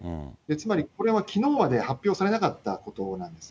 つまりこれはきのうまで発表されなかったことなんです。